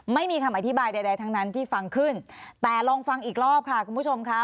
ไม่มีคำอธิบายใดทั้งนั้นที่ฟังขึ้นแต่ลองฟังอีกรอบค่ะคุณผู้ชมค่ะ